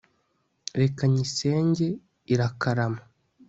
reka nyisenge irakarama